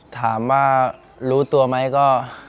ถามว่ารู้ตัวไหมก็